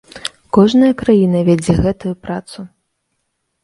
Кожная краіна вядзе гэтую працу.